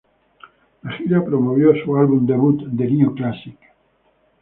La gira promovió su álbum debut, The New Classic.